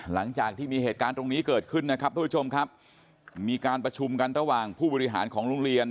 หลังจากที่มีเหตุการณ์ตรงนี้เกิดขึ้นนะครับทุกผู้ชมครับมีการประชุมกันระหว่างผู้บริหารของโรงเรียน